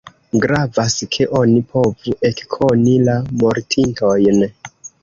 Gravas, ke oni povu ekkoni la mortintojn.